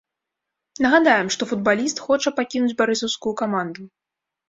Нагадаем, што футбаліст хоча пакінуць барысаўскую каманду.